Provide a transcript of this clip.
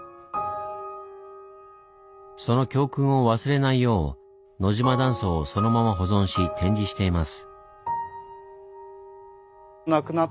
その教訓を忘れないよう野島断層をそのまま保存し展示しています。